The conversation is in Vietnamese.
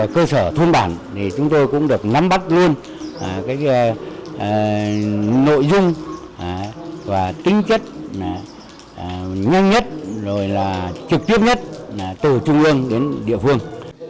cơ sở thuân bản chúng tôi cũng được ngắm bắt luôn nội dung và tính chất nhanh nhất trực tiếp nhất từ trung ương đến địa phương